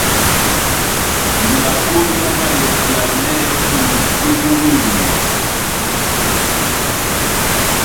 Mbakó já mayɛjiya mɛ́hɛ́pi ipumindi.